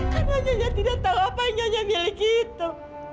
karena nyonya tidak tahu apa yang nyonya miliki itu